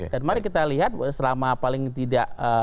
dan mari kita lihat selama paling tidak